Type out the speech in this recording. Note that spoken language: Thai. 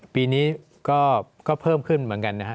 ปีนี้ก็เพิ่มขึ้นเหมือนกันนะฮะ